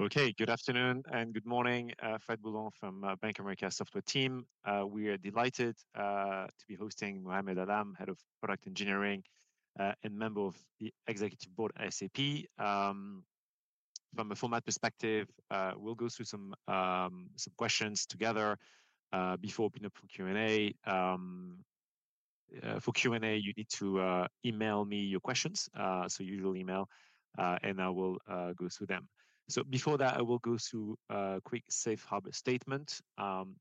Okay, good afternoon and good morning, Fred Boulan from Bank of America's software team. We are delighted to be hosting Muhammad Alam, Head of Product Engineering and Member of the Executive Board at SAP. From a format perspective, we'll go through some, some questions together, before opening up for Q&A. For Q&A, you need to email me your questions, so usual email, and I will go through them. So before that, I will go through a quick Safe Harbor statement.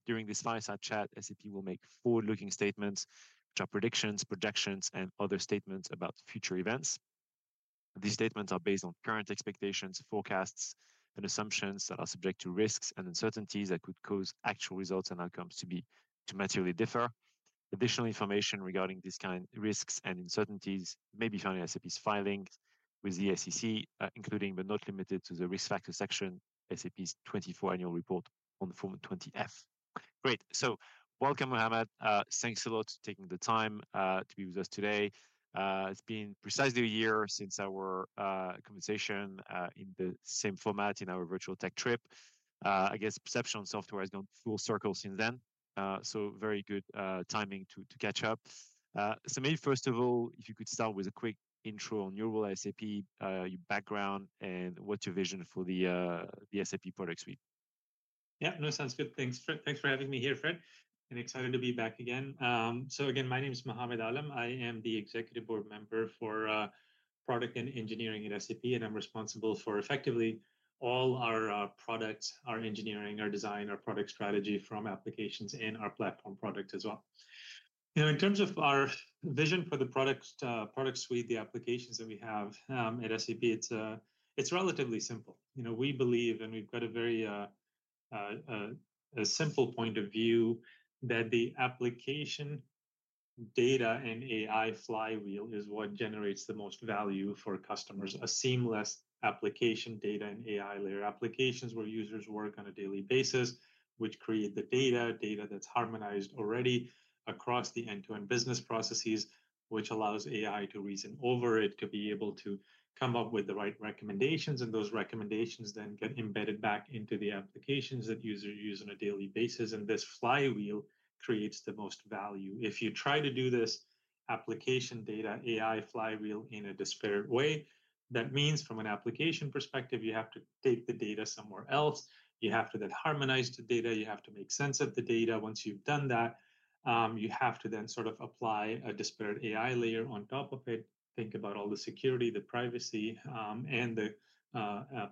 During this fireside chat, SAP will make forward-looking statements, which are predictions, projections, and other statements about future events. These statements are based on current expectations, forecasts, and assumptions that are subject to risks and uncertainties that could cause actual results and outcomes to materially differ. Additional information regarding these kinds of risks and uncertainties may be found in SAP's filings with the SEC, including but not limited to the risk factor section of SAP's 2024 annual report on Form 20-F. Great. Welcome, Muhammad. Thanks a lot for taking the time to be with us today. It's been precisely a year since our conversation in the same format in our virtual tech trip. I guess perception on software has gone full circle since then. Very good timing to catch up. Maybe first of all, if you could start with a quick intro on your role at SAP, your background, and what's your vision for the SAP product suite? Yeah, no, sounds good. Thanks, Fred. Thanks for having me here, Fred. I'm excited to be back again, so again, my name is Muhammad Alam. I am the Executive Board Member for Product and Engineering at SAP, and I'm responsible for effectively all our products, our engineering, our design, our product strategy from applications and our platform product as well. You know, in terms of our vision for the product, product suite, the applications that we have at SAP, it's relatively simple. You know, we believe, and we've got a very simple point of view that the application data and AI flywheel is what generates the most value for customers: a seamless application data and AI layer applications where users work on a daily basis, which create the data, data that's harmonized already across the end-to-end business processes, which allows AI to reason over it, to be able to come up with the right recommendations, and those recommendations then get embedded back into the applications that users use on a daily basis. And this flywheel creates the most value. If you try to do this application data AI flywheel in a disparate way, that means from an application perspective, you have to take the data somewhere else. You have to then harmonize the data. You have to make sense of the data. Once you've done that, you have to then sort of apply a disparate AI layer on top of it, think about all the security, the privacy, and the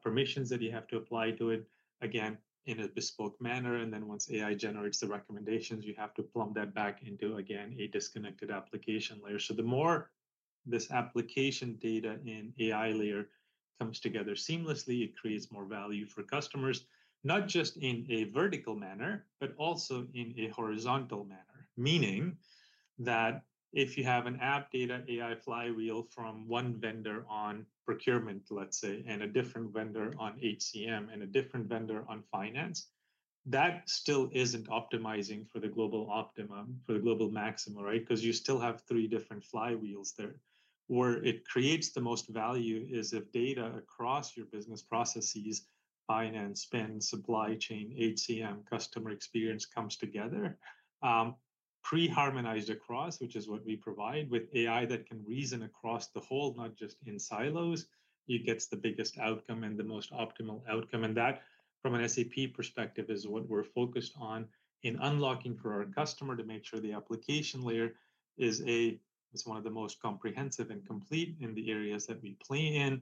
permissions that you have to apply to it, again, in a bespoke manner. And then once AI generates the recommendations, you have to plumb that back into, again, a disconnected application layer. So the more this application data and AI layer comes together seamlessly, it creates more value for customers, not just in a vertical manner, but also in a horizontal manner, meaning that if you have an app data AI flywheel from one vendor on procurement, let's say, and a different vendor on HCM, and a different vendor on finance, that still isn't optimizing for the global optimum, for the global maximum, right? Because you still have three different flywheels there. Where it creates the most value is if data across your business processes—finance, spend, supply chain, HCM, customer experience—comes together, pre-harmonized across, which is what we provide with AI that can reason across the whole, not just in silos. It gets the biggest outcome and the most optimal outcome, and that, from an SAP perspective, is what we're focused on in unlocking for our customer to make sure the application layer is a, is one of the most comprehensive and complete in the areas that we play in.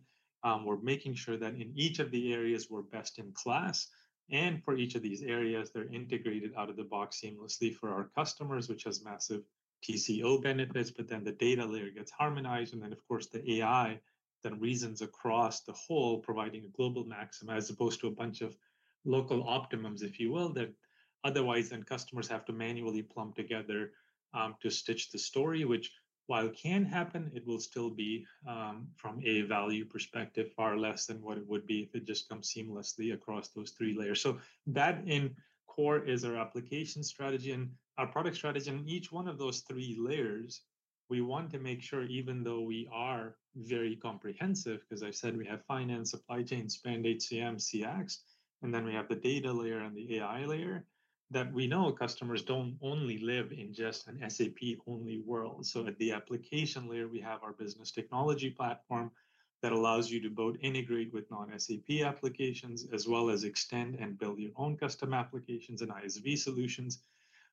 We're making sure that in each of the areas, we're best in class, and for each of these areas, they're integrated out of the box seamlessly for our customers, which has massive TCO benefits, but then the data layer gets harmonized. Then, of course, the AI then reasons across the whole, providing a global maximum as opposed to a bunch of local optimums, if you will, that otherwise then customers have to manually plumb together, to stitch the story, which, while it can happen, it will still be, from a value perspective, far less than what it would be if it just comes seamlessly across those three layers. That, in core, is our application strategy and our product strategy. Each one of those three layers, we want to make sure, even though we are very comprehensive, because I said we have finance, supply chain, spend, HCM, CX, and then we have the data layer and the AI layer, that we know customers don't only live in just an SAP-only world. So at the application layer, we have our business technology platform that allows you to both integrate with non-SAP applications as well as extend and build your own custom applications and ISV solutions.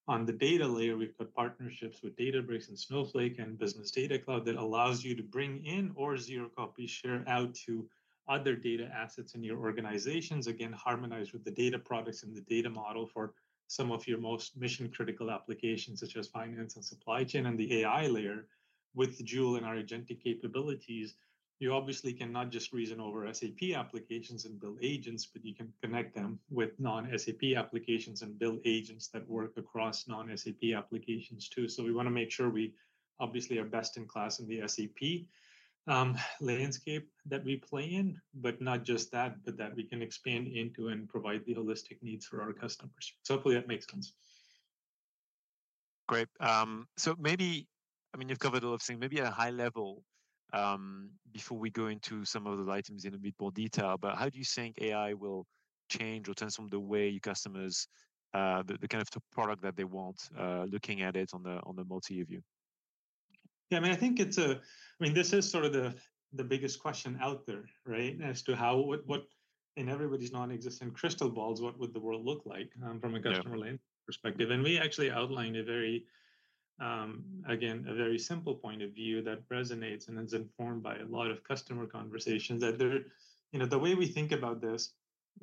On the data layer, we've got partnerships with Databricks and Snowflake and Business Data Cloud that allows you to bring in or zero-copy share out to other data assets in your organizations, again, harmonized with the data products and the data model for some of your most mission-critical applications, such as finance and supply chain. And the AI layer with the Joule and our agentic capabilities, you obviously cannot just reason over SAP applications and build agents, but you can connect them with non-SAP applications and build agents that work across non-SAP applications too. So we want to make sure we obviously are best in class in the SAP landscape that we play in, but not just that, but that we can expand into and provide the holistic needs for our customers, so hopefully that makes sense. Great. So maybe, I mean, you've covered a lot of things, maybe at a high level, before we go into some of those items in a bit more detail, but how do you think AI will change or transform the way your customers, the kind of product that they want, looking at it on the multi-year view? Yeah, I mean, I think it's, I mean, this is sort of the biggest question out there, right, as to how, what, in everybody's non-existent crystal balls, what would the world look like, from a customer lens perspective? And we actually outlined a very, again, a very simple point of view that resonates and is informed by a lot of customer conversations that they're, you know, the way we think about this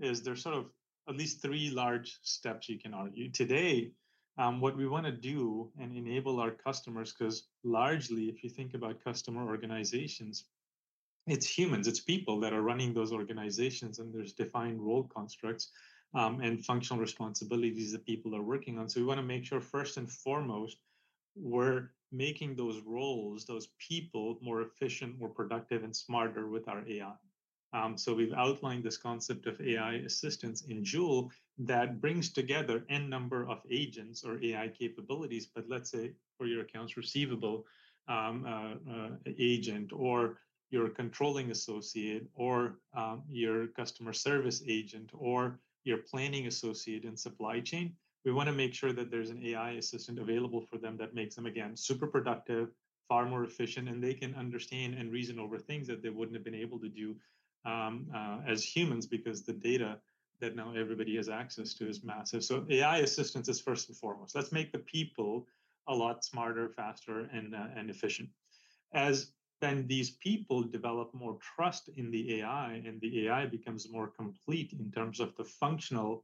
is there's sort of at least three large steps you can argue today, what we want to do and enable our customers, because largely, if you think about customer organizations, it's humans, it's people that are running those organizations, and there's defined role constructs, and functional responsibilities that people are working on. So we want to make sure first and foremost, we're making those roles, those people more efficient, more productive, and smarter with our AI. So we've outlined this concept of AI assistance in Joule that brings together N number of agents or AI capabilities, but let's say for your accounts receivable agent, or your controlling associate, or your customer service agent, or your planning associate in supply chain. We want to make sure that there's an AI assistant available for them that makes them, again, super productive, far more efficient, and they can understand and reason over things that they wouldn't have been able to do, as humans, because the data that now everybody has access to is massive. So AI assistance is first and foremost. Let's make the people a lot smarter, faster, and efficient. As then these people develop more trust in the AI, and the AI becomes more complete in terms of the functional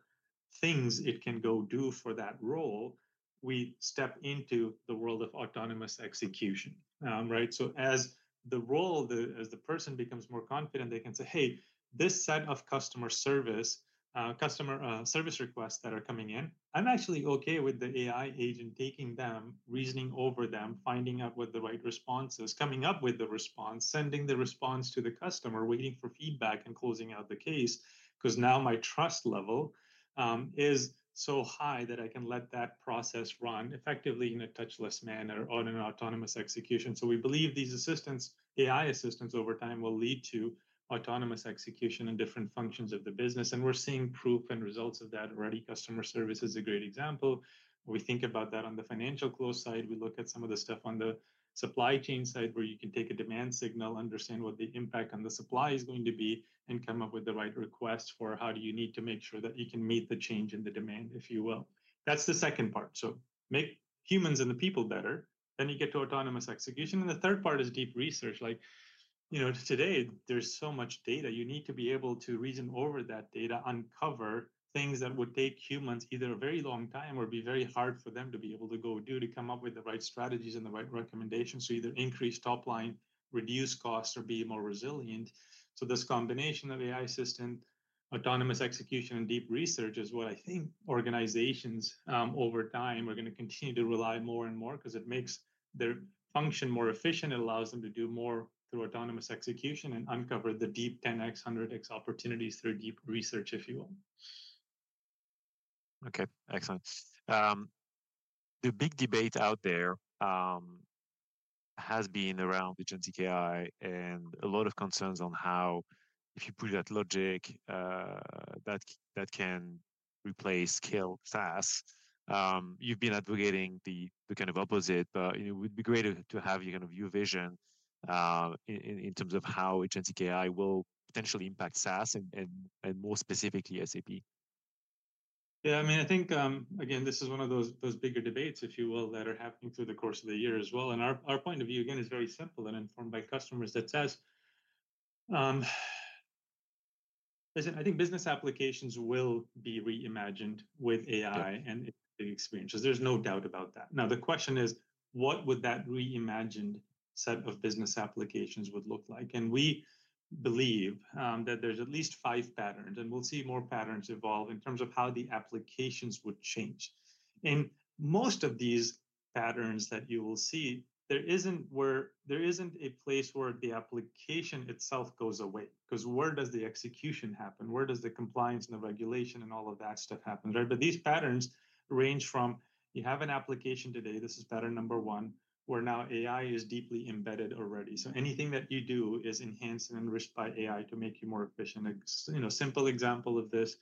things it can go do for that role, we step into the world of autonomous execution, right? So as the role, as the person becomes more confident, they can say, "Hey, this set of customer service requests that are coming in, I'm actually okay with the AI agent taking them, reasoning over them, finding out what the right response is, coming up with the response, sending the response to the customer, waiting for feedback, and closing out the case, because now my trust level is so high that I can let that process run effectively in a touchless manner on an autonomous execution." So we believe these assistants, AI assistants over time will lead to autonomous execution in different functions of the business. We're seeing proof and results of that already. Customer service is a great example. We think about that on the financial close side. We look at some of the stuff on the supply chain side where you can take a demand signal, understand what the impact on the supply is going to be, and come up with the right request for how do you need to make sure that you can meet the change in the demand, if you will. That's the second part. So make humans and the people better, then you get to autonomous execution. And the third part is deep research. Like, you know, today there's so much data. You need to be able to reason over that data, uncover things that would take humans either a very long time or be very hard for them to be able to go do, to come up with the right strategies and the right recommendations to either increase top line, reduce costs, or be more resilient, so this combination of AI assistant, autonomous execution, and deep research is what I think organizations, over time are going to continue to rely more and more because it makes their function more efficient. It allows them to do more through autonomous execution and uncover the deep 10X, 100X opportunities through deep research, if you will. Okay, excellent. The big debate out there has been around agentic AI and a lot of concerns on how, if you push that logic, that can replace scale fast. You've been advocating the kind of opposite, but, you know, it would be great to have your kind of your vision in terms of how agentic AI will potentially impact SaaS and more specifically SAP. Yeah, I mean, I think, again, this is one of those, those bigger debates, if you will, that are happening through the course of the year as well. And our, our point of view, again, is very simple and informed by customers. That says, listen, I think business applications will be reimagined with AI and experiences. There's no doubt about that. Now, the question is, what would that reimagined set of business applications look like? And we believe, that there's at least five patterns, and we'll see more patterns evolve in terms of how the applications would change. And most of these patterns that you will see, there isn't where, there isn't a place where the application itself goes away, because where does the execution happen? Where does the compliance and the regulation and all of that stuff happen, right? But these patterns range from you have an application today. This is pattern number one, where now AI is deeply embedded already. So anything that you do is enhanced and enriched by AI to make you more efficient. You know, a simple example of this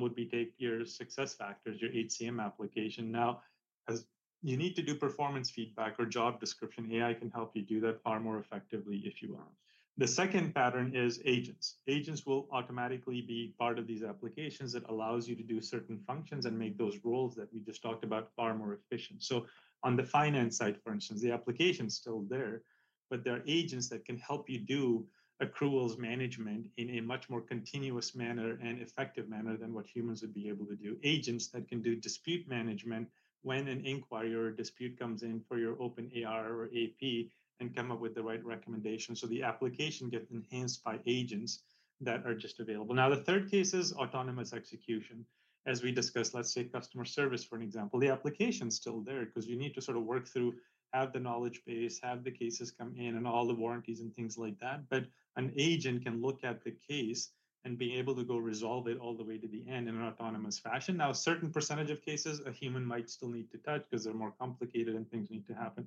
would be take your SuccessFactors, your HCM application. Now, as you need to do performance feedback or job description, AI can help you do that far more effectively, if you will. The second pattern is agents. Agents will automatically be part of these applications that allows you to do certain functions and make those roles that we just talked about far more efficient. So on the finance side, for instance, the application's still there, but there are agents that can help you do accruals management in a much more continuous manner and effective manner than what humans would be able to do. Agents that can do dispute management when an inquiry or a dispute comes in for your open AR or AP and come up with the right recommendations, so the application gets enhanced by agents that are just available. Now, the third case is autonomous execution. As we discussed, let's say customer service, for an example, the application's still there because you need to sort of work through, have the knowledge base, have the cases come in, and all the warranties and things like that, but an agent can look at the case and be able to go resolve it all the way to the end in an autonomous fashion. Now, a certain percentage of cases, a human might still need to touch because they're more complicated and things need to happen.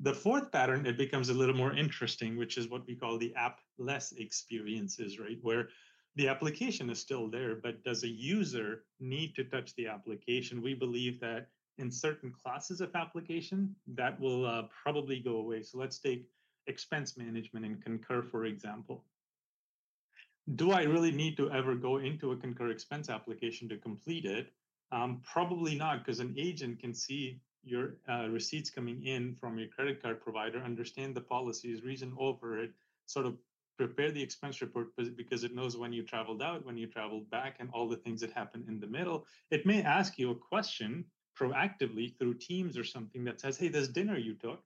The fourth pattern, it becomes a little more interesting, which is what we call the app-less experiences, right? Where the application is still there, but does a user need to touch the application? We believe that in certain classes of application, that will probably go away. So let's take expense management and Concur, for example. Do I really need to ever go into a Concur expense application to complete it? Probably not, because an agent can see your receipts coming in from your credit card provider, understand the policies, reason over it, sort of prepare the expense report because it knows when you traveled out, when you traveled back, and all the things that happened in the middle. It may ask you a question proactively through Teams or something that says, "Hey, this dinner you took,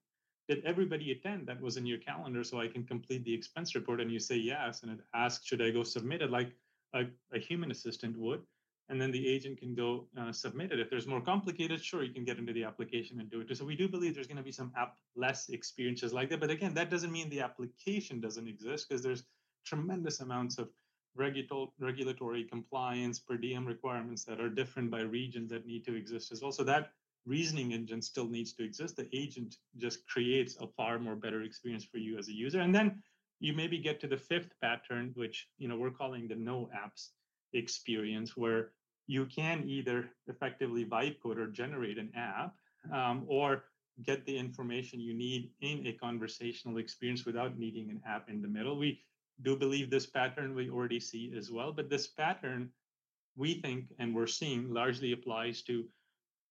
did everybody attend? That was in your calendar, so I can complete the expense report." And you say yes, and it asks, "Should I go submit it?" Like, like a human assistant would. And then the agent can go submit it. If there's more complicated, sure, you can get into the application and do it. We do believe there's going to be some app-less experiences like that. But again, that doesn't mean the application doesn't exist, because there's tremendous amounts of regulatory compliance, per diem requirements that are different by region that need to exist as well. That reasoning engine still needs to exist. The agent just creates a far more better experience for you as a user. And then you maybe get to the fifth pattern, which, you know, we're calling the no-apps experience, where you can either effectively [vibe-code] or generate an app, or get the information you need in a conversational experience without needing an app in the middle. We do believe this pattern we already see as well. But this pattern, we think, and we're seeing largely applies to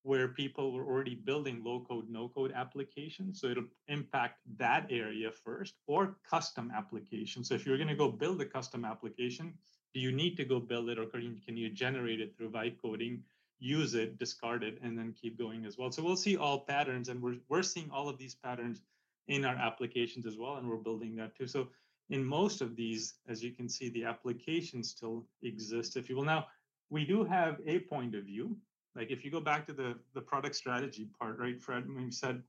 where people were already building low-code, no-code applications. So it'll impact that area first or custom applications. So if you're going to go build a custom application, do you need to go build it, or can you generate it through vibe coding, use it, discard it, and then keep going as well? So we'll see all patterns, and we're seeing all of these patterns in our applications as well, and we're building that too. So in most of these, as you can see, the application still exists, if you will. Now, we do have a point of view. Like if you go back to the product strategy part, right, Fred, we said,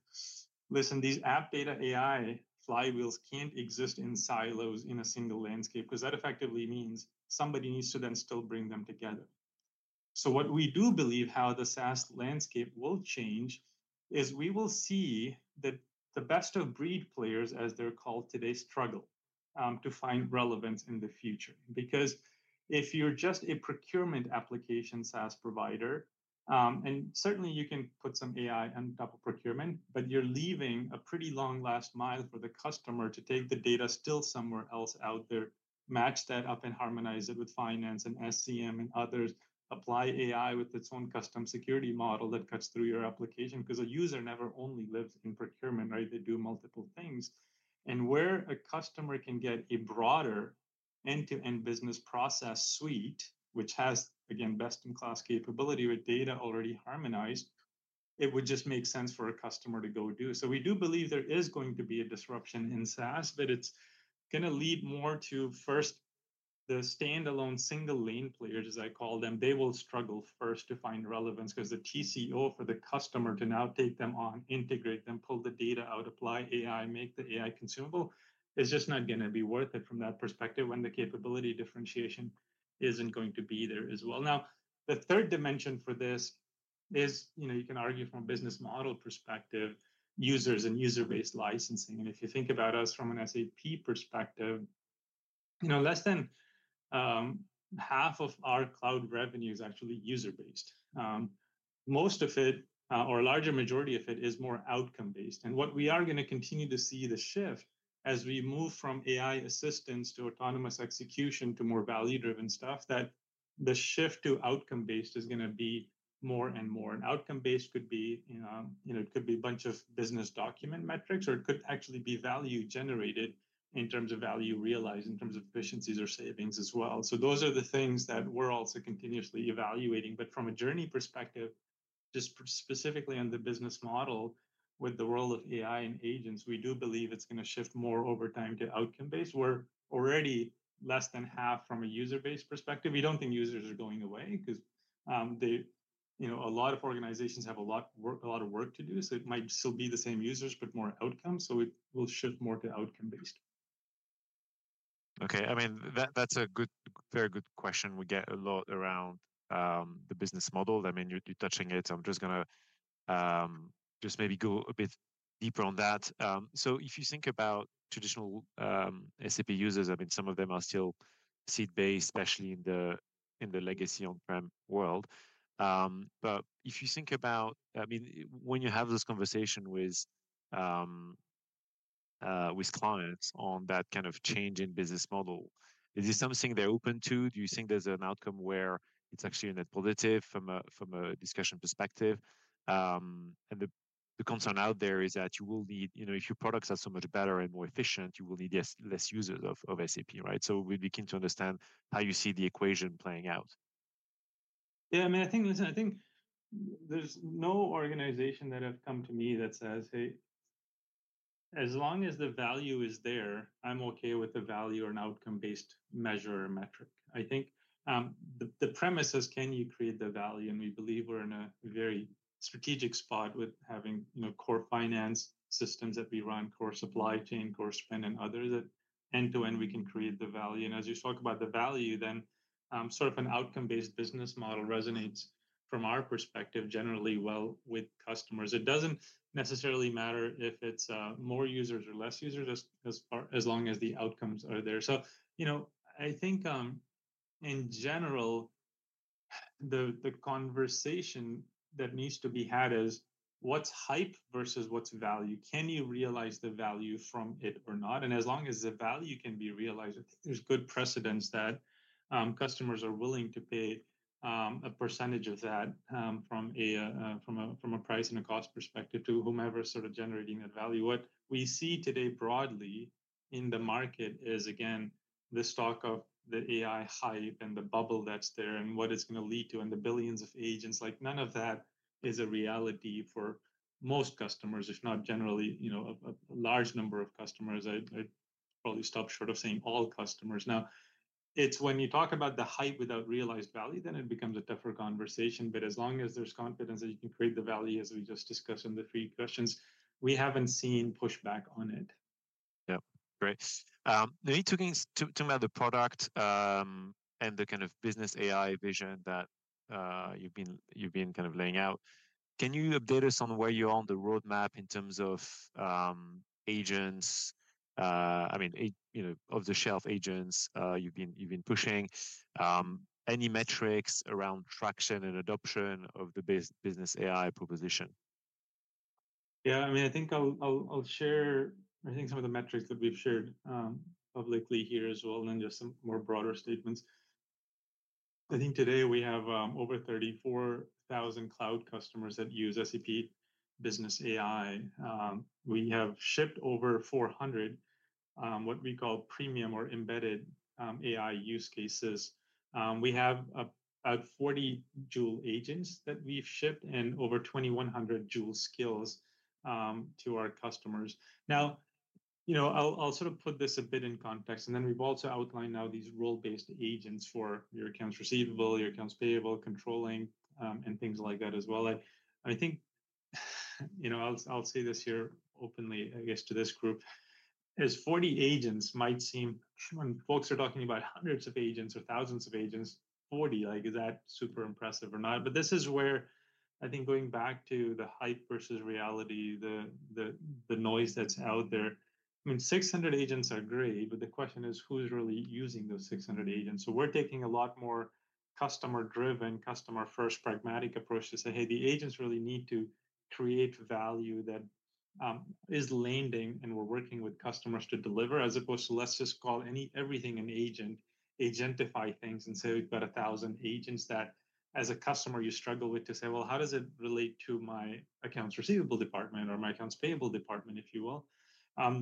listen, these app data AI flywheels can't exist in silos in a single landscape, because that effectively means somebody needs to then still bring them together. So what we do believe how the SaaS landscape will change is we will see that the best-of-breed players, as they're called today, struggle to find relevance in the future. Because if you're just a procurement application SaaS provider, and certainly you can put some AI on top of procurement, but you're leaving a pretty long last mile for the customer to take the data still somewhere else out there, match that up and harmonize it with finance and SCM and others, apply AI with its own custom security model that cuts through your application, because a user never only lives in procurement, right? They do multiple things, and where a customer can get a broader end-to-end business process suite, which has, again, best in class capability with data already harmonized, it would just make sense for a customer to go do, so we do believe there is going to be a disruption in SaaS, but it's going to lead more to first the standalone single lane players, as I call them. They will struggle first to find relevance because the TCO for the customer to now take them on, integrate them, pull the data out, apply AI, make the AI consumable is just not going to be worth it from that perspective when the capability differentiation isn't going to be there as well. Now, the third dimension for this is, you know, you can argue from a business model perspective, users and user-based licensing. And if you think about us from an SAP perspective, you know, less than half of our cloud revenue is actually user-based. Most of it, or a larger majority of it, is more outcome-based. And what we are going to continue to see the shift as we move from AI assistance to autonomous execution to more value-driven stuff, that the shift to outcome-based is going to be more and more. Outcome-based could be, you know, you know, it could be a bunch of business document metrics, or it could actually be value generated in terms of value realized in terms of efficiencies or savings as well. Those are the things that we're also continuously evaluating. From a journey perspective, just specifically on the business model with the role of AI and agents, we do believe it's going to shift more over time to outcome-based. We're already less than half from a user-based perspective. We don't think users are going away because they, you know, a lot of organizations have a lot of work, a lot of work to do. It might still be the same users, but more outcome. It will shift more to outcome-based. Okay, I mean, that's a good, very good question. We get a lot around the business model. I mean, you're touching it. I'm just going to just maybe go a bit deeper on that. So if you think about traditional SAP users, I mean, some of them are still seat-based, especially in the legacy on-prem world. But if you think about, I mean, when you have this conversation with clients on that kind of change in business model, is this something they're open to? Do you think there's an outcome where it's actually a net positive from a discussion perspective? And the concern out there is that you will need, you know, if your products are so much better and more efficient, you will need less users of SAP, right? So we'd be keen to understand how you see the equation playing out. Yeah, I mean, I think, listen, I think there's no organization that have come to me that says, "Hey, as long as the value is there, I'm okay with the value or an outcome-based measure or metric." I think the premise is can you create the value? And we believe we're in a very strategic spot with having, you know, core finance systems that we run, core supply chain, core spend, and others that end-to-end we can create the value. And as you talk about the value, then sort of an outcome-based business model resonates from our perspective generally well with customers. It doesn't necessarily matter if it's more users or less users as far as long as the outcomes are there. So, you know, I think in general the conversation that needs to be had is what's hype versus what's value? Can you realize the value from it or not? And as long as the value can be realized, I think there's good precedence that customers are willing to pay a percentage of that from a price and a cost perspective to whomever sort of generating that value. What we see today broadly in the market is, again, the talk of the AI hype and the bubble that's there and what it's going to lead to and the billions of agents. Like none of that is a reality for most customers, if not generally, you know, a large number of customers. I'd probably stop short of saying all customers. Now, it's when you talk about the hype without realized value, then it becomes a tougher conversation. But as long as there's confidence that you can create the value, as we just discussed in the three questions, we haven't seen pushback on it. Yeah, great. Let me talk about the product, and the kind of business AI vision that you've been, you've been kind of laying out. Can you update us on where you are on the roadmap in terms of agents? I mean, you know, off-the-shelf agents you've been, you've been pushing. Any metrics around traction and adoption of the business AI proposition? Yeah, I mean, I think I'll share, I think some of the metrics that we've shared, publicly here as well, and then just some more broader statements. I think today we have over 34,000 cloud customers that use SAP Business AI. We have shipped over 400, what we call premium or embedded, AI use cases. We have about 40 Joule agents that we've shipped and over 2,100 Joule skills, to our customers. Now, you know, I'll sort of put this a bit in context, and then we've also outlined now these role-based agents for your accounts receivable, your accounts payable, controlling, and things like that as well. I think, you know, I'll say this here openly, I guess, to this group, is 40 agents might seem, when folks are talking about hundreds of agents or thousands of agents, 40, like is that super impressive or not? But this is where I think going back to the hype versus reality, the noise that's out there, I mean, 600 agents are great, but the question is who's really using those 600 agents? We're taking a lot more customer-driven, customer-first pragmatic approach to say, "Hey, the agents really need to create value that is landing and we're working with customers to deliver," as opposed to let's just call anything everything an agent, agentify things and say we've got 1,000 agents that as a customer you struggle with to say, well, how does it relate to my accounts receivable department or my accounts payable department, if you will?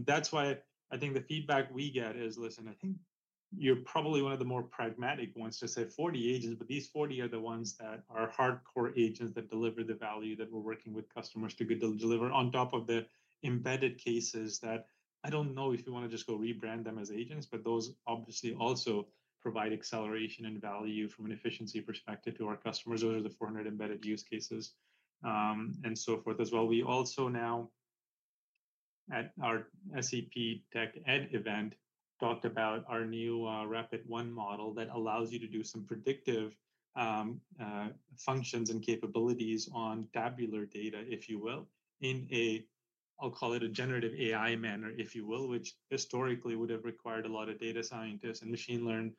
That's why I think the feedback we get is, listen, I think you're probably one of the more pragmatic ones to say 40 agents, but these 40 are the ones that are hardcore agents that deliver the value that we're working with customers to deliver on top of the embedded cases that I don't know if you want to just go rebrand them as agents, but those obviously also provide acceleration and value from an efficiency perspective to our customers. Those are the 400 embedded use cases, and so forth as well. We also now, at our SAP TechEd event, talked about our new Rapid One model that allows you to do some predictive functions and capabilities on tabular data, if you will, in a, I'll call it a generative AI manner, if you will, which historically would have required a lot of data scientists and machine learning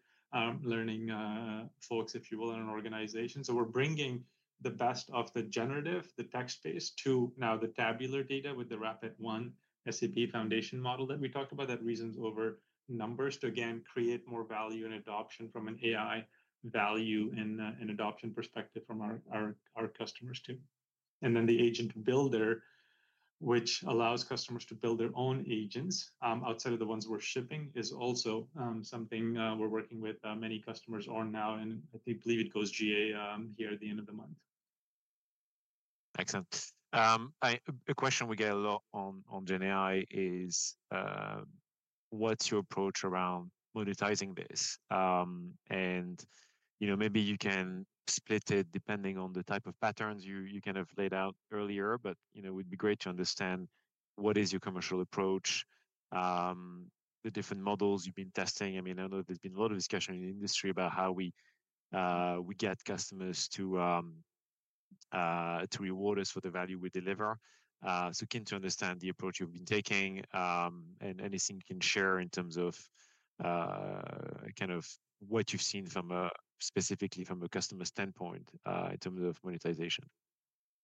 folks, if you will, in an organization, so we're bringing the best of the generative, the text-based to now the tabular data with the Rapid One SAP Foundation model that we talked about that reasons over numbers to again create more value and adoption from an AI value and an adoption perspective from our customers too. Then the Agent Builder, which allows customers to build their own agents outside of the ones we're shipping, is also something we're working with many customers on now, and I believe it goes GA here at the end of the month. Excellent. A question we get a lot on GenAI is, what's your approach around monetizing this? You know, maybe you can split it depending on the type of patterns you kind of laid out earlier, but, you know, it would be great to understand what is your commercial approach, the different models you've been testing. I mean, I know there's been a lot of discussion in the industry about how we get customers to reward us for the value we deliver, so keen to understand the approach you've been taking, and anything you can share in terms of, kind of what you've seen from a specifically from a customer standpoint, in terms of monetization.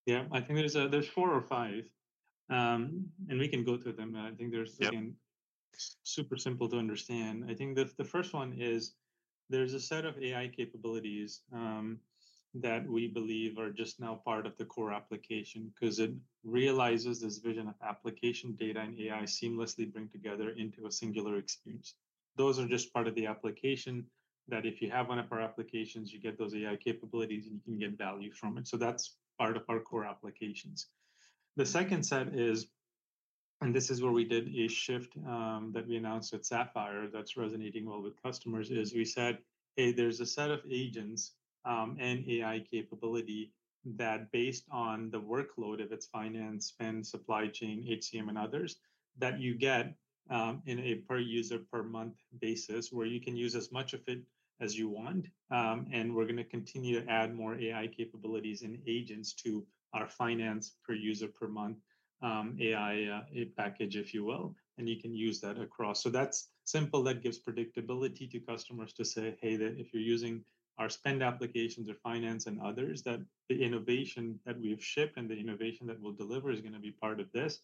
Yeah, I think there's four or five, and we can go through them. I think there's again super simple to understand. I think the first one is there's a set of AI capabilities that we believe are just now part of the core application because it realizes this vision of application data and AI seamlessly bring together into a singular experience. Those are just part of the application that if you have one of our applications, you get those AI capabilities and you can get value from it. So that's part of our core applications. The second set is, and this is where we did a shift, that we announced at Sapphire that's resonating well with customers: we said, hey, there's a set of agents and AI capability that, based on the workload, if it's finance, spend, supply chain, HCM, and others, that you get in a per user per month basis where you can use as much of it as you want. And we're going to continue to add more AI capabilities and agents to our finance per user per month AI package, if you will, and you can use that across. So that's simple. That gives predictability to customers to say, hey, that if you're using our spend applications or finance and others, that the innovation that we have shipped and the innovation that we'll deliver is going to be part of this.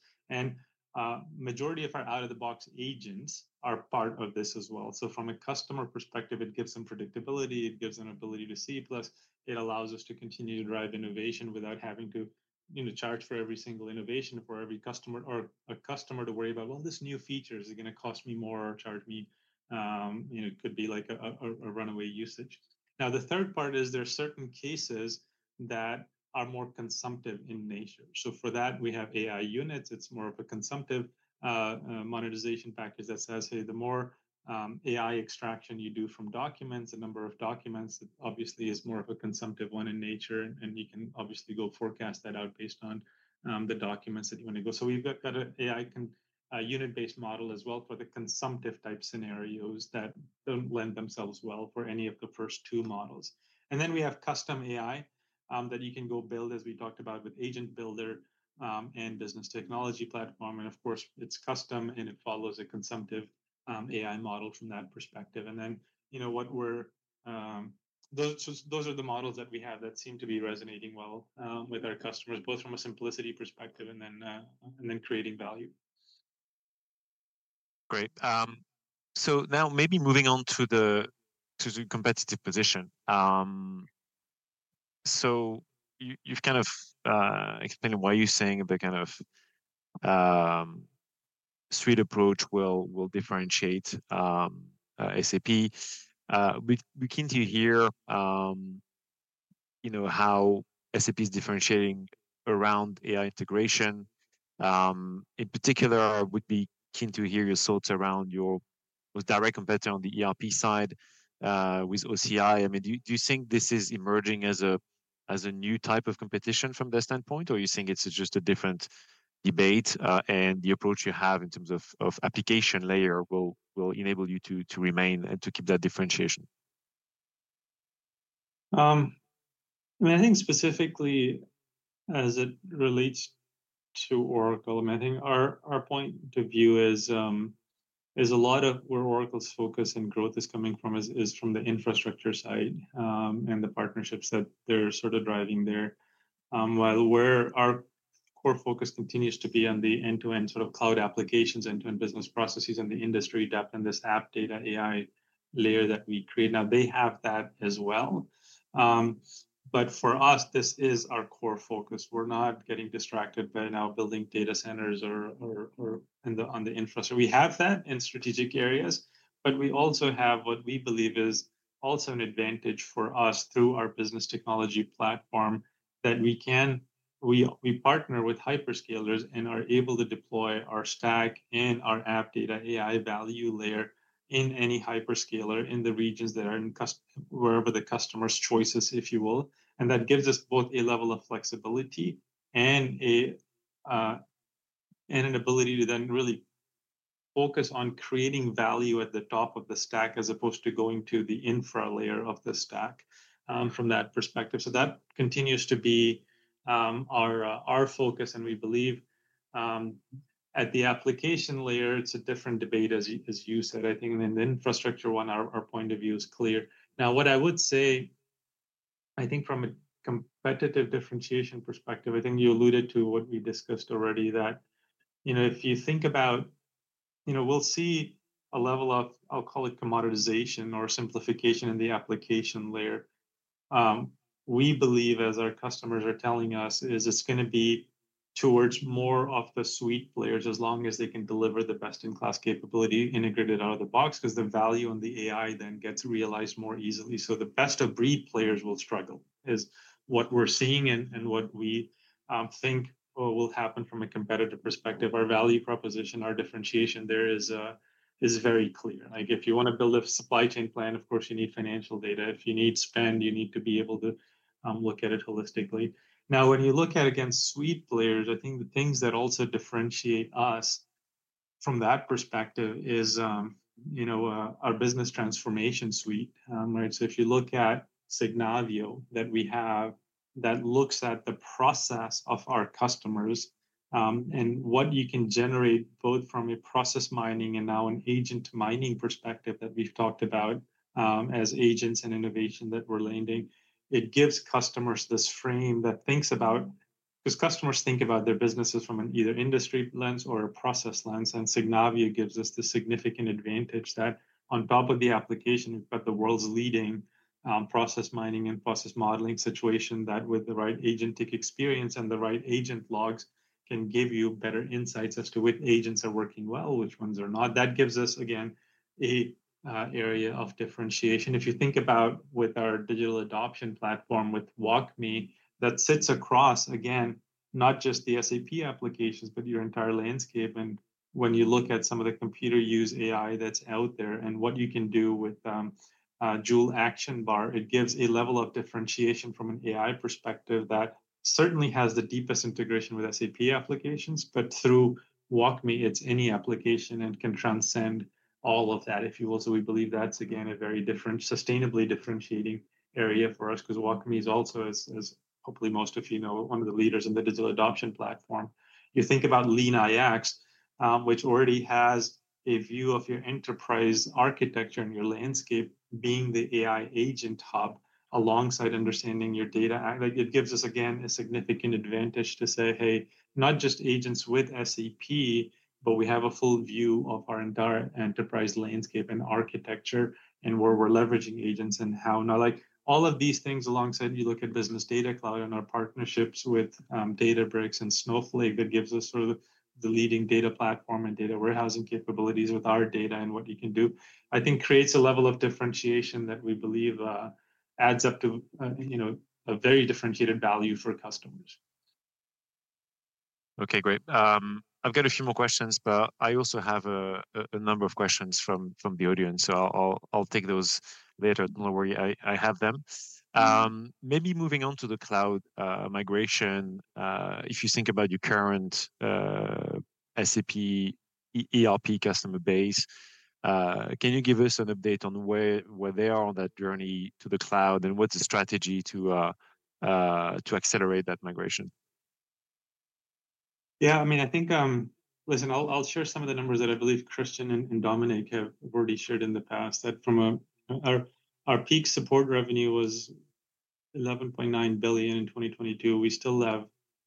Majority of our out-of-the-box agents are part of this as well. So from a customer perspective, it gives them predictability. It gives them ability to see plus. It allows us to continue to drive innovation without having to, you know, charge for every single innovation for every customer or a customer to worry about, well, this new feature is going to cost me more or charge me, you know, it could be like a runaway usage. Now, the third part is there are certain cases that are more consumptive in nature. So for that, we have AI units. It's more of a consumptive, monetization package that says, "Hey, the more AI extraction you do from documents, the number of documents that obviously is more of a consumptive one in nature." And you can obviously go forecast that out based on, the documents that you want to.go. So we've got an AI unit-based model as well for the consumptive type scenarios that don't lend themselves well for any of the first two models. And then we have custom AI that you can go build as we talked about with Agent Builder and Business Technology Platform. And of course, it's custom and it follows a consumptive AI model from that perspective. And then, you know, those are the models that we have that seem to be resonating well with our customers, both from a simplicity perspective and then creating value. Great. So now maybe moving on to the competitive position. So you've kind of explained why you're saying the kind of suite approach will differentiate SAP. We'd be keen to hear, you know, how SAP is differentiating around AI integration. In particular, I would be keen to hear your thoughts around your direct competitor on the ERP side, with OCI. I mean, do you think this is emerging as a new type of competition from their standpoint, or do you think it's just a different debate, and the approach you have in terms of application layer will enable you to remain and to keep that differentiation? I mean, I think specifically as it relates to Oracle, I mean, I think our point of view is a lot of where Oracle's focus and growth is coming from is from the infrastructure side, and the partnerships that they're sort of driving there. While where our core focus continues to be on the end-to-end sort of cloud applications, end-to-end business processes and the industry depth and this app data AI layer that we create. Now they have that as well. But for us, this is our core focus. We're not getting distracted by now building data centers or in the infrastructure. We have that in strategic areas, but we also have what we believe is also an advantage for us through our business technology platform that we can partner with hyperscalers and are able to deploy our stack and our app data AI value layer in any hyperscaler in the regions that are in the customer's, wherever the customer's choices, if you will. And that gives us both a level of flexibility and an ability to then really focus on creating value at the top of the stack as opposed to going to the infra layer of the stack, from that perspective. So that continues to be our focus. And we believe, at the application layer, it's a different debate, as you said, I think. And in the infrastructure one, our point of view is clear. Now, what I would say, I think from a competitive differentiation perspective, I think you alluded to what we discussed already that, you know, if you think about, you know, we'll see a level of, I'll call it commoditization or simplification in the application layer. We believe, as our customers are telling us, it's going to be towards more of the suite players as long as they can deliver the best in class capability integrated out of the box, because the value on the AI then gets realized more easily. So the best of breed players will struggle, is what we're seeing and what we think will happen from a competitive perspective. Our value proposition, our differentiation there is very clear. Like if you want to build a supply chain plan, of course you need financial data. If you need spend, you need to be able to look at it holistically. Now, when you look at against suite players, I think the things that also differentiate us from that perspective is, you know, our business transformation suite, right? So if you look at Signavio that we have that looks at the process of our customers, and what you can generate both from a process mining and now an agent mining perspective that we've talked about, as agents and innovation that we're landing, it gives customers this frame that thinks about, because customers think about their businesses from an either industry lens or a process lens. Signavio gives us the significant advantage that on top of the application, we've got the world's leading process mining and process modeling solution that with the right agentic experience and the right agent logs can give you better insights as to which agents are working well, which ones are not. That gives us again an area of differentiation. If you think about with our digital adoption platform with WalkMe that sits across again, not just the SAP applications, but your entire landscape. And when you look at some of the agentic AI that's out there and what you can do with Joule action bar, it gives a level of differentiation from an AI perspective that certainly has the deepest integration with SAP applications, but through WalkMe, it's any application and can transcend all of that, if you will. We believe that's again a very different, sustainably differentiating area for us because WalkMe is also, as hopefully most of you know, one of the leaders in the digital adoption platform. You think about LeanIX, which already has a view of your enterprise architecture and your landscape being the AI agent hub alongside understanding your data. Like it gives us again a significant advantage to say, "Hey, not just agents with SAP, but we have a full view of our entire enterprise landscape and architecture and where we're leveraging agents and how." Now, like all of these things alongside, you look at Business Data Cloud and our partnerships with Databricks and Snowflake, that gives us sort of the leading data platform and data warehousing capabilities with our data and what you can do. I think creates a level of differentiation that we believe adds up to, you know, a very differentiated value for customers. Okay, great. I've got a few more questions, but I also have a number of questions from the audience. So I'll take those later. No worry, I have them. Maybe moving on to the cloud migration, if you think about your current SAP ERP customer base, can you give us an update on where they are on that journey to the cloud and what's the strategy to accelerate that migration? Yeah, I mean, I think, listen, I'll, I'll share some of the numbers that I believe Christian and Dominic have already shared in the past that from a, our, our peak support revenue was $11.9 billion in 2022. We still have,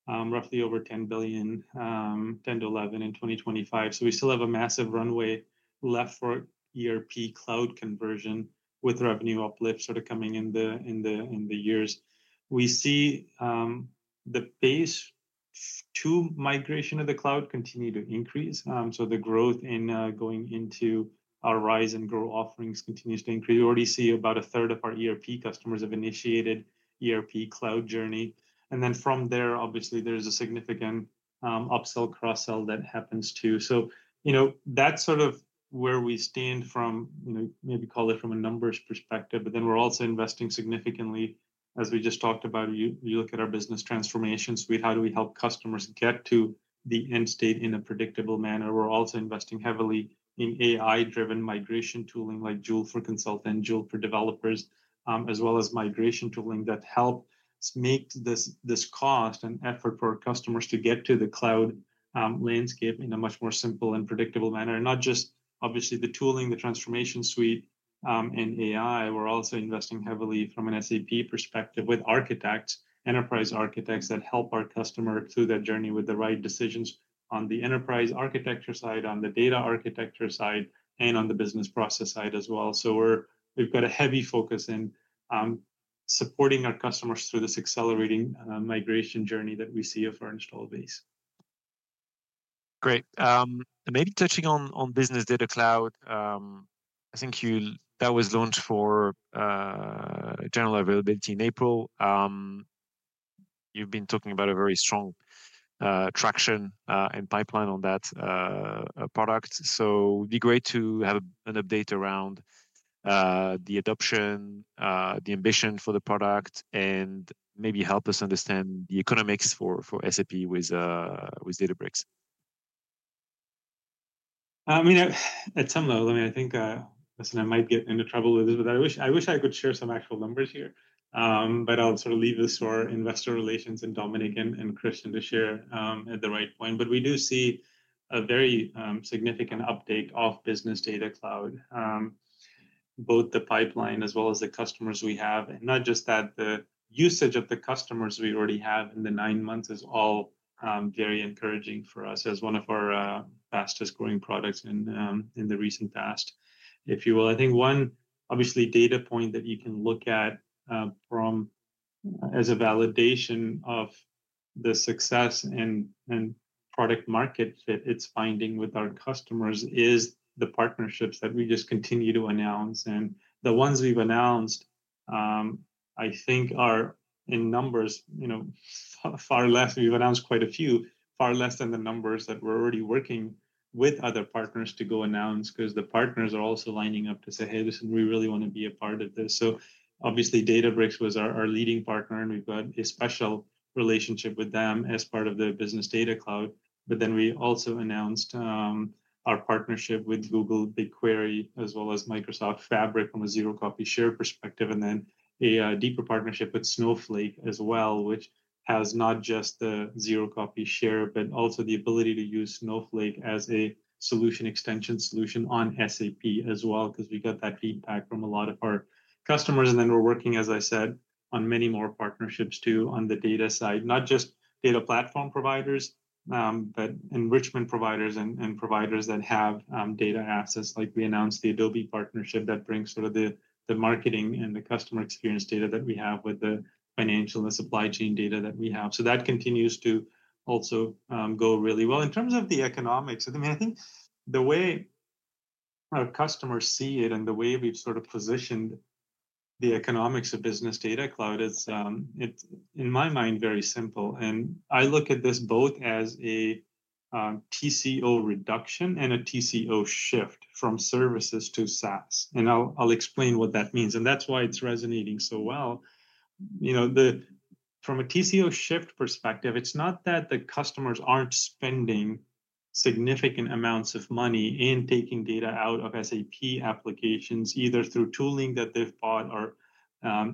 roughly over $10 billion, $10 billion- $11 billion in 2025. So we still have a massive runway left for ERP cloud conversion with revenue uplift sort of coming in the years. We see the base to migration of the cloud continue to increase. So the growth in going into our RISE and GROW offerings continues to increase. We already see about a third of our ERP customers have initiated ERP cloud journey. And then from there, obviously there's a significant upsell cross-sell that happens too. So, you know, that's sort of where we stand from, you know, maybe call it from a numbers perspective, but then we're also investing significantly as we just talked about. You look at our business transformation suite, how do we help customers get to the end state in a predictable manner. We're also investing heavily in AI-driven migration tooling like Joule for consultants, Joule for developers, as well as migration tooling that helps make this cost and effort for our customers to get to the cloud landscape in a much more simple and predictable manner. Not just obviously the tooling, the transformation suite, and AI, we're also investing heavily from an SAP perspective with architects, enterprise architects that help our customer through that journey with the right decisions on the enterprise architecture side, on the data architecture side, and on the business process side as well. We've got a heavy focus in supporting our customers through this accelerating migration journey that we see of our installed base. Great, and maybe touching on Business Data Cloud, I think that was launched for general availability in April. You've been talking about a very strong traction and pipeline on that product. So it'd be great to have an update around the adoption, the ambition for the product and maybe help us understand the economics for SAP with Databricks. I mean, at some level, I mean, I think, listen, I might get into trouble with this, but I wish, I wish I could share some actual numbers here, but I'll sort of leave this to our investor relations and Dominic and Christian to share, at the right point. But we do see a very significant uptake of Business Data Cloud, both the pipeline as well as the customers we have. And not just that, the usage of the customers we already have in the nine months is all very encouraging for us as one of our fastest growing products in the recent past, if you will. I think one obviously data point that you can look at, from as a validation of the success and product market fit it's finding with our customers is the partnerships that we just continue to announce. And the ones we've announced, I think are in numbers, you know, far less. We've announced quite a few, far less than the numbers that we're already working with other partners to go announce because the partners are also lining up to say, "Hey, listen, we really want to be a part of this." So obviously Databricks was our leading partner and we've got a special relationship with them as part of the Business Data Cloud. But then we also announced our partnership with Google BigQuery, as well as Microsoft Fabric from a zero copy share perspective. And then a deeper partnership with Snowflake as well, which has not just the zero copy share, but also the ability to use Snowflake as an extension solution on SAP as well, because we got that feedback from a lot of our customers. And then we're working, as I said, on many more partnerships too on the data side, not just data platform providers, but enrichment providers and, and providers that have data access. Like we announced the Adobe partnership that brings sort of the, the marketing and the customer experience data that we have with the financial and supply chain data that we have. So that continues to also go really well in terms of the economics. I mean, I think the way our customers see it and the way we've sort of positioned the economics of Business Data Cloud is, it's in my mind very simple. And I look at this both as a TCO reduction and a TCO shift from services to SaaS. And I'll, I'll explain what that means. And that's why it's resonating so well. You know, from a TCO shift perspective, it's not that the customers aren't spending significant amounts of money in taking data out of SAP applications, either through tooling that they've bought or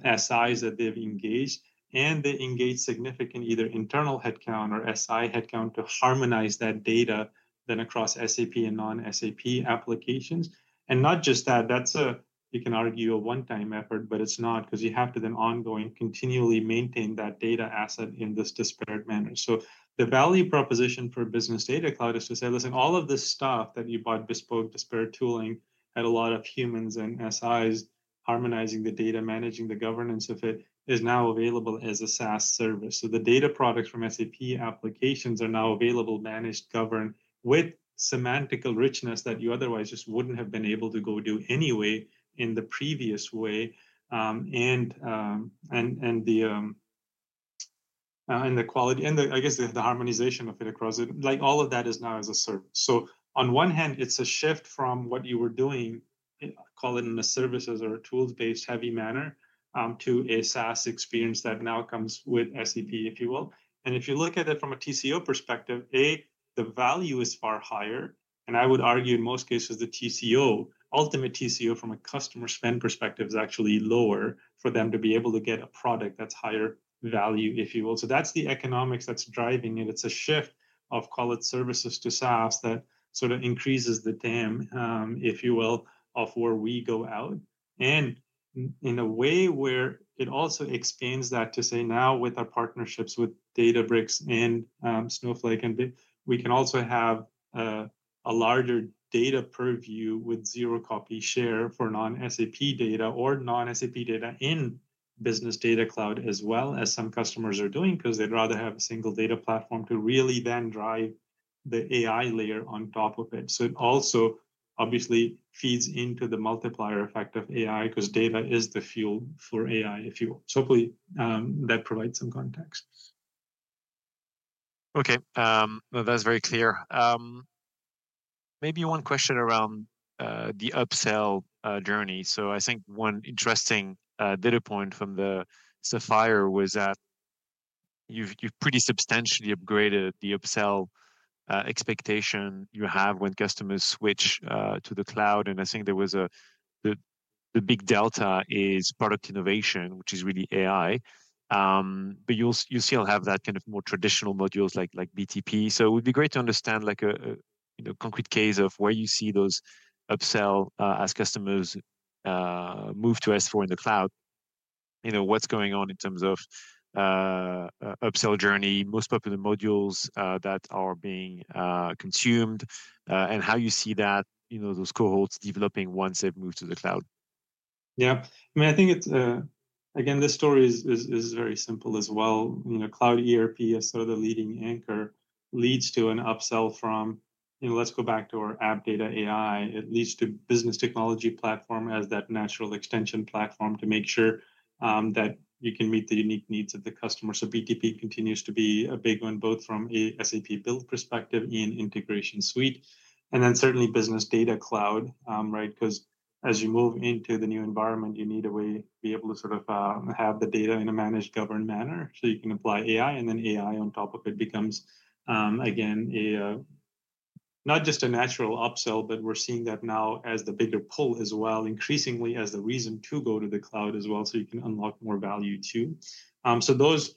SIs that they've engaged. And they engage significant either internal headcount or SI headcount to harmonize that data then across SAP and non-SAP applications. And not just that, that's a, you can argue, a one-time effort, but it's not because you have to then ongoing continually maintain that data asset in this disparate manner. So the value proposition for Business Data Cloud is to say, "Listen, all of this stuff that you bought bespoke, disparate tooling had a lot of humans and SIs harmonizing the data, managing the governance of it is now available as a SaaS service." So the data products from SAP applications are now available, managed, governed with semantical richness that you otherwise just wouldn't have been able to go do anyway in the previous way. And the quality and the harmonization of it across it, like all of that is now as a service. So on one hand, it's a shift from what you were doing, call it in a services or a tools-based heavy manner, to a SaaS experience that now comes with SAP, if you will. And if you look at it from a TCO perspective; A, the value is far higher. And I would argue in most cases, the TCO, ultimate TCO from a customer spend perspective is actually lower for them to be able to get a product that's higher value, if you will. So that's the economics that's driving it. It's a shift of, call it services to SaaS that sort of increases the [TAM], if you will, of where we go out. And in a way where it also expands that to say now with our partnerships with Databricks and Snowflake, and we can also have a larger data purview with zero-copy share for non-SAP data or non-SAP data in Business Data Cloud as well as some customers are doing because they'd rather have a single data platform to really then drive the AI layer on top of it. So it also obviously feeds into the multiplier effect of AI because data is the fuel for AI, if you will. So hopefully, that provides some context. Okay. That's very clear. Maybe one question around the upsell journey. So I think one interesting data point from the Sapphire was that you've pretty substantially upgraded the upsell expectation you have when customers switch to the cloud. And I think there was a the big delta is product innovation, which is really AI. But you'll you still have that kind of more traditional modules like BTP. So it would be great to understand like a you know concrete case of where you see those upsell as customers move to S4 in the cloud, you know, what's going on in terms of upsell journey, most popular modules that are being consumed, and how you see that you know those cohorts developing once they've moved to the cloud. Yep. I mean, I think it's, again, this story is very simple as well. You know, cloud ERP is sort of the leading anchor leads to an upsell from, you know, let's go back to our app data AI. It leads to business technology platform as that natural extension platform to make sure that you can meet the unique needs of the customer. So BTP continues to be a big one, both from a SAP build perspective in Integration Suite. And then certainly Business Data Cloud, right? Because as you move into the new environment, you need a way to be able to sort of have the data in a managed governed manner. So you can apply AI and then AI on top of it becomes, again, a not just a natural upsell, but we're seeing that now as the bigger pull as well, increasingly as the reason to go to the cloud as well, so you can unlock more value too. So those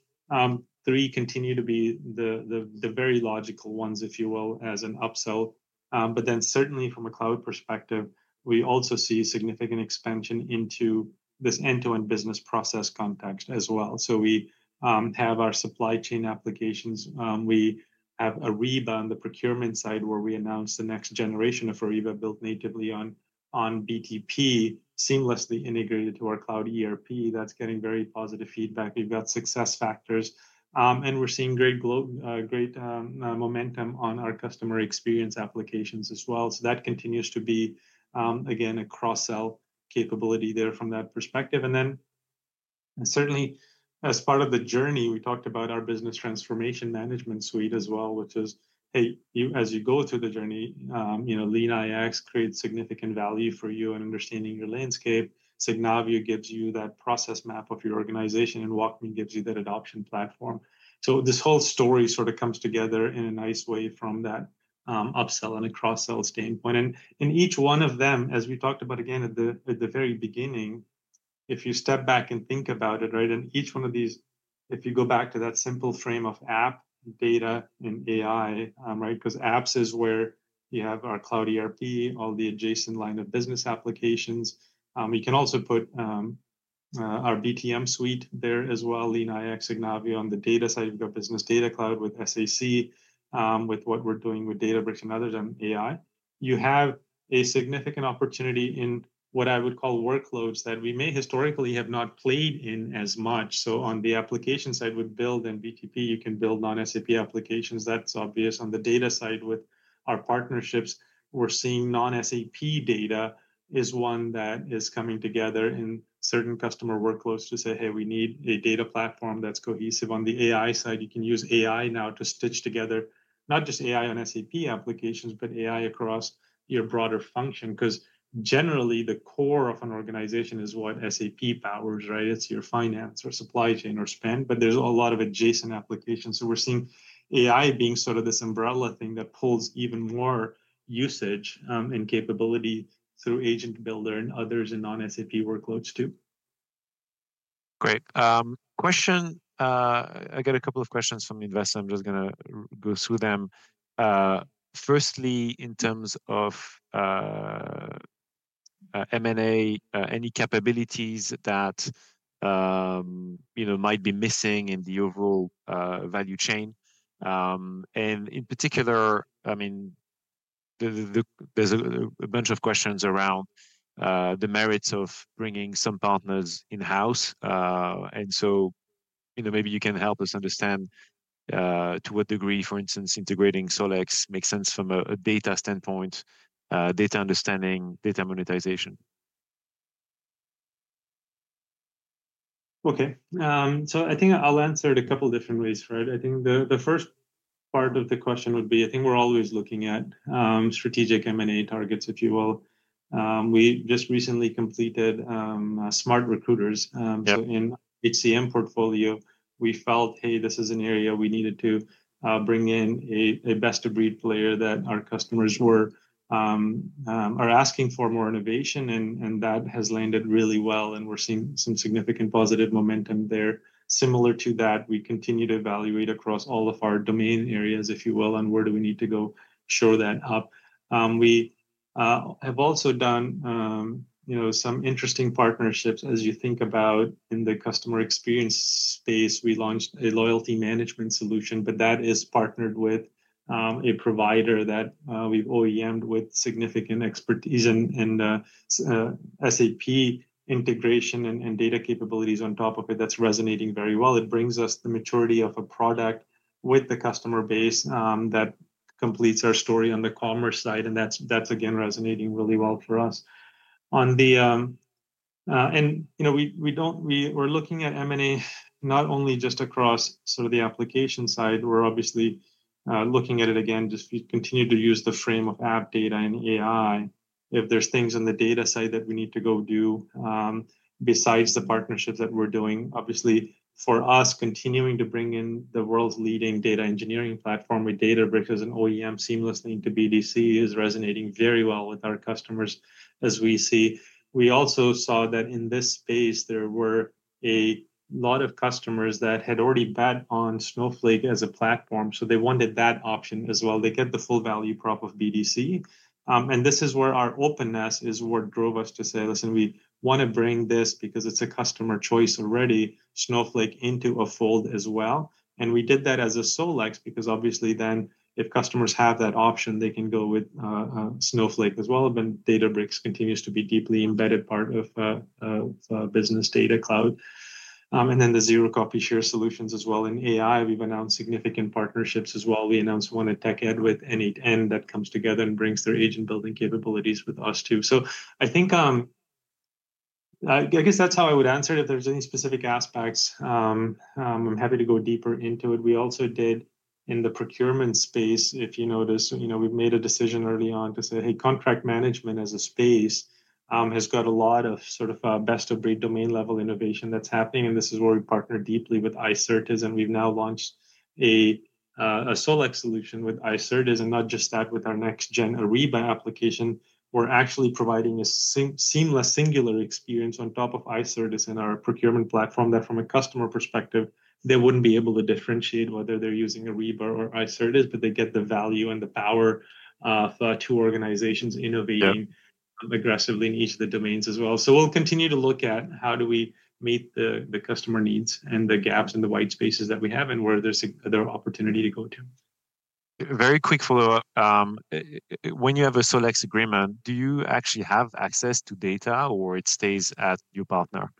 three continue to be the very logical ones, if you will, as an upsell. But then certainly from a cloud perspective, we also see significant expansion into this end-to-end business process context as well. So we have our supply chain applications. We have Ariba on the procurement side where we announced the next generation of Ariba built natively on BTP, seamlessly integrated to our cloud ERP. That's getting very positive feedback. We've got SuccessFactors. And we're seeing great growth, great momentum on our customer experience applications as well. So that continues to be, again, a cross-sell capability there from that perspective. And then certainly as part of the journey, we talked about our business transformation management suite as well, which is, hey, you, as you go through the journey, you know, LeanIX creates significant value for you and understanding your landscape. Signavio gives you that process map of your organization and WalkMe gives you that adoption platform. So this whole story sort of comes together in a nice way from that, upsell and a cross-sell standpoint. And in each one of them, as we talked about again at the, at the very beginning, if you step back and think about it, right, in each one of these, if you go back to that simple frame of app, data and AI, right, because apps is where you have our cloud ERP, all the adjacent line of business applications. We can also put our BTM suite there as well, LeanIX, Signavio on the data side. We've got Business Data Cloud with SAC, with what we're doing with Databricks and others and AI. You have a significant opportunity in what I would call workloads that we may historically have not played in as much. So on the application side with Build and BTP, you can build non-SAP applications. That's obvious on the data side with our partnerships. We're seeing non-SAP data is one that is coming together in certain customer workloads to say, "Hey, we need a data platform that's cohesive on the AI side." You can use AI now to stitch together not just AI on SAP applications, but AI across your broader function. Because generally the core of an organization is what SAP powers, right? It's your finance or supply chain or spend, but there's a lot of adjacent applications. So we're seeing AI being sort of this umbrella thing that pulls even more usage, and capability through Agent Builder and others and non-SAP workloads too. Great. Question. I got a couple of questions from investors. I'm just going to go through them. Firstly, in terms of M&A, any capabilities that, you know, might be missing in the overall value chain, and in particular, I mean, there's a bunch of questions around the merits of bringing some partners in-house, and so, you know, maybe you can help us understand to what degree, for instance, integrating SolEx makes sense from a data standpoint, data understanding, data monetization. Okay. So I think I'll answer it a couple of different ways, right? I think the first part of the question would be, I think we're always looking at strategic M&A targets, if you will. We just recently completed SmartRecruiters. So in HCM portfolio, we felt, hey, this is an area we needed to bring in a best of breed player that our customers were, are asking for more innovation. And that has landed really well. And we're seeing some significant positive momentum there. Similar to that, we continue to evaluate across all of our domain areas, if you will, on where do we need to go show that up. We have also done, you know, some interesting partnerships as you think about in the customer experience space. We launched a loyalty management solution, but that is partnered with a provider that we've OEMed with significant expertise and SAP integration and data capabilities on top of it. That's resonating very well. It brings us the maturity of a product with the customer base that completes our story on the commerce side, and that's again resonating really well for us. You know, we were looking at M&A not only just across sort of the application side. We're obviously looking at it again, just continue to use the frame of app data and AI. If there's things on the data side that we need to go do, besides the partnerships that we're doing, obviously for us continuing to bring in the world's leading data engineering platform with Databricks as an OEM seamlessly into BDC is resonating very well with our customers as we see. We also saw that in this space, there were a lot of customers that had already bet on Snowflake as a platform. So they wanted that option as well. They get the full value prop of BDC, and this is where our openness is what drove us to say, listen, we want to bring this because it's a customer choice already, Snowflake into a fold as well. And we did that as a SolEx because obviously then if customers have that option, they can go with Snowflake as well. And then Databricks continues to be deeply embedded part of Business Data Cloud, and then the zero-copy share solutions as well. In AI, we've announced significant partnerships as well. We announced one at TechEd with n8n that comes together and brings their agent building capabilities with us too. So I think, I guess that's how I would answer it. If there's any specific aspects, I'm happy to go deeper into it. We also did in the procurement space, if you notice, you know, we've made a decision early on to say, hey, contract management as a space has got a lot of sort of best of breed domain level innovation that's happening. And this is where we partner deeply with Icertis. And we've now launched a SolEx solution with Icertis. And not just that, with our next-gen Ariba application, we're actually providing a seamless singular experience on top of Icertis in our procurement platform that from a customer perspective, they wouldn't be able to differentiate whether they're using Ariba or Icertis, but they get the value and the power of two organizations innovating aggressively in each of the domains as well. So we'll continue to look at how do we meet the customer needs and the gaps and the white spaces that we have and where there's other opportunity to go to. Very quick follow-up. When you have a SolEx agreement, do you actually have access to data or it stays at your partner?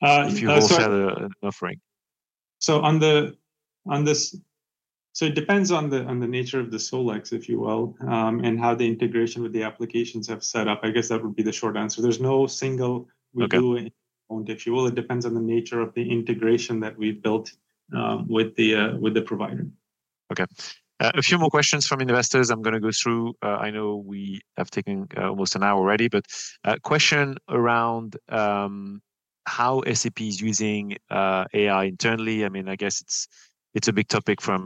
If you both had an offering. It depends on the nature of the SolEx, if you will, and how the integration with the applications have set up. I guess that would be the short answer. There's no single way we do it, if you will. It depends on the nature of the integration that we've built with the provider. Okay. A few more questions from investors. I'm going to go through. I know we have taken almost an hour already, but question around how SAP is using AI internally. I mean, I guess it's a big topic from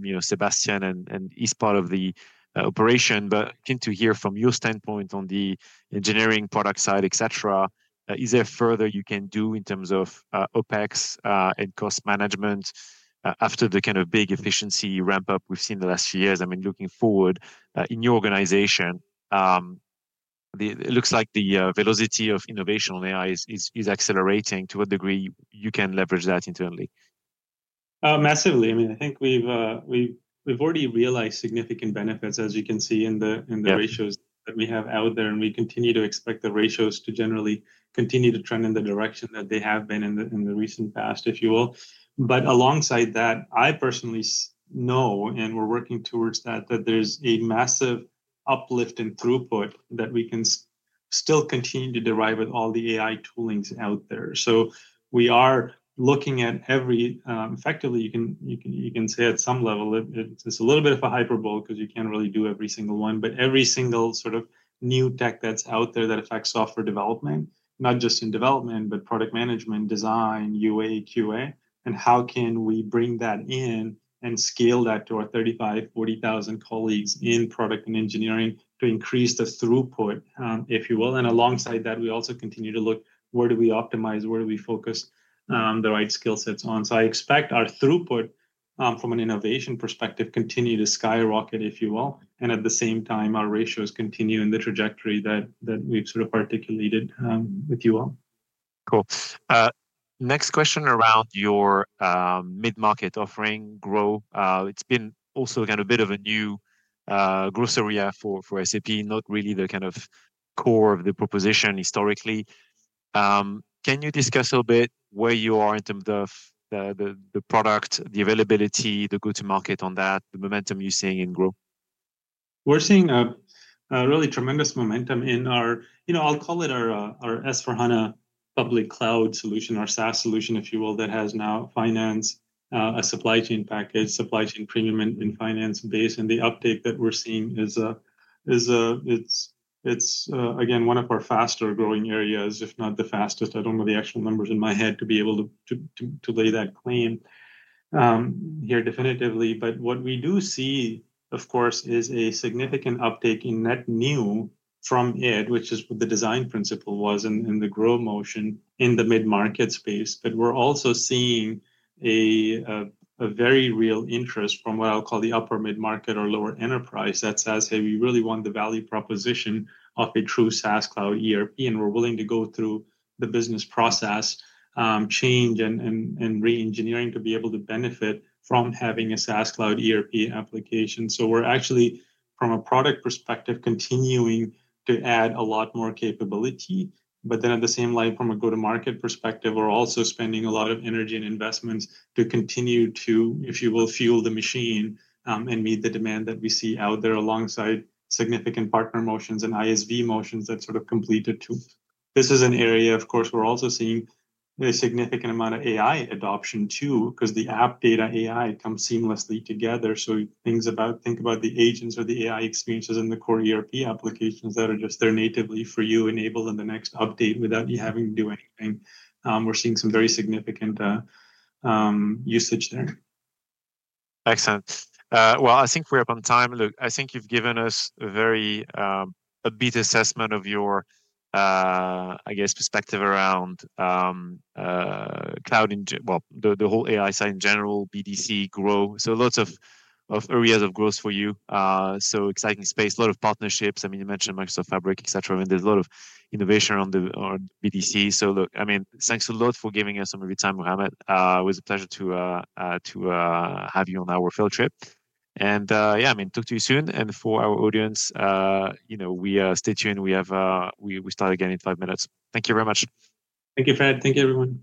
you know Sebastian and he's part of the operation, but keen to hear from your standpoint on the engineering product side, et cetera. Is there further you can do in terms of OpEx and cost management, after the kind of big efficiency ramp-up we've seen the last few years? I mean, looking forward, in your organization, it looks like the velocity of innovation on AI is accelerating. To what degree you can leverage that internally? Massively. I mean, I think we've already realized significant benefits, as you can see in the ratios that we have out there, and we continue to expect the ratios to generally continue to trend in the direction that they have been in the recent past, if you will, but alongside that, I personally know, and we're working towards that, that there's a massive uplift in throughput that we can still continue to derive with all the AI toolings out there. We are looking at every, effectively, you can say at some level it's a little bit of a hyperbole because you can't really do every single one, but every single sort of new tech that's out there that affects software development, not just in development, but product management, design, UA, QA, and how can we bring that in and scale that to our 35,000-40,000 colleagues in product and engineering to increase the throughput, if you will. Alongside that, we also continue to look where do we optimize, where do we focus the right skill sets on. I expect our throughput from an innovation perspective to continue to skyrocket, if you will. At the same time, our ratios continue in the trajectory that we've sort of articulated with you all. Cool. Next question around your mid-market offering GROW. It's been also kind of a bit of a new growth area for SAP, not really the kind of core of the proposition historically. Can you discuss a little bit where you are in terms of the product, the availability, the go-to-market on that, the momentum you're seeing in GROW? We're seeing a really tremendous momentum in our, you know, I'll call it our S/4HANA public cloud solution, our SaaS solution, if you will, that has now finance, a supply chain package, supply chain premium in finance base. The uptake that we're seeing is, it's, again, one of our faster growing areas, if not the fastest. I don't know the actual numbers in my head to be able to lay that claim here definitively. But what we do see, of course, is a significant uptake innew from it, which is what the design principle was in the GROW motion in the mid-market space. But we're also seeing a very real interest from what I'll call the upper mid-market or lower enterprise that says, "Hey, we really want the value proposition of a true SaaS cloud ERP, and we're willing to go through the business process change and re-engineering to be able to benefit from having a SaaS cloud ERP application. So we're actually, from a product perspective, continuing to add a lot more capability. But then at the same time, from a go-to-market perspective, we're also spending a lot of energy and investments to continue to, if you will, fuel the machine, and meet the demand that we see out there alongside significant partner motions and ISV motions that sort of complement too. This is an area, of course, we're also seeing a significant amount of AI adoption too, because the app-data AI comes seamlessly together. Think about the agents or the AI experiences in the core ERP applications that are just there natively for you enabled in the next update without you having to do anything. We're seeing some very significant usage there. Excellent. Well, I think we're up on time. Look, I think you've given us a very a bit assessment of your, I guess, perspective around cloud. In, well, the whole AI side in general, BDC, GROW. So lots of areas of growth for you. So exciting space, a lot of partnerships. I mean, you mentioned Microsoft Fabric, et cetera. I mean, there's a lot of innovation on the BDC. So look, I mean, thanks a lot for giving us some of your time, Muhammad. It was a pleasure to have you on our field trip. And, yeah, I mean, talk to you soon. And for our audience, you know, we stay tuned. We have, we start again in five minutes. Thank you very much. Thank you, Fred. Thank you, everyone.